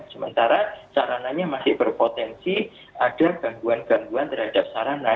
sementara sarananya masih berpotensi ada gangguan gangguan terhadap sarana